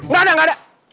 gak ada gak ada